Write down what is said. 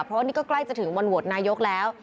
เพราะว่านี่ก็ใกล้จะถึงวันโหวตนายกแล้ว